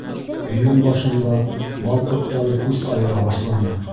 Июнь башында бал ҡорттары күс айыра башланы.